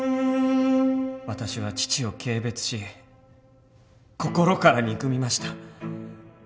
私は父を軽蔑し心から憎みました。